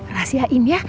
rasi haim ya